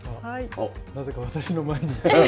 なぜか私の前に。